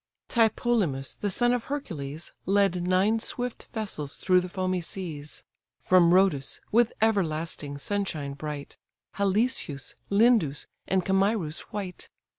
Tlepolemus, the son of Hercules, Led nine swift vessels through the foamy seas, From Rhodes, with everlasting sunshine bright, Jalyssus, Lindus, and Camirus white.